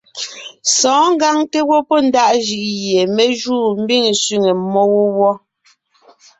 Sɔ̌ɔn ngǎŋ té gwɔ́ pɔ́ ndaʼ jʉʼ gie me júu mbiŋ sẅiŋe mmó wó wɔ́.